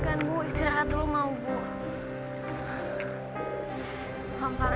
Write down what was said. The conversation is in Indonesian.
kita tetap berdoa saja